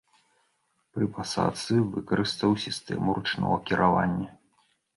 Пры пасадцы выкарыстаў сістэму ручнога кіравання.